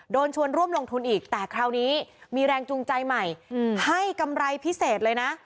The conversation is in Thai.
โดนชวนร่วมลงทุนอีกแต่คราวนี้มีแรงจูงใจใหม่ให้กำไรพิเศษเลยนะ